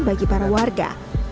bagi para warga